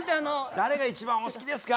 誰が一番お好きですか？